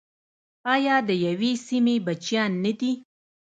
آیا د یوې سیمې بچیان نه دي؟